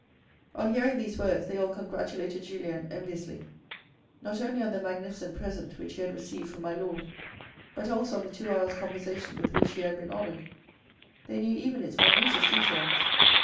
On hearing these words, they all congratulated Julien enviously, not only on the magnificent present which he had received from my lord, but also on the two hours' conversation with which he had been honoured. They knew even its minutest details.